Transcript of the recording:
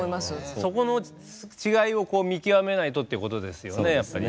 そこの違いを見極めないとってことですよね、やっぱり。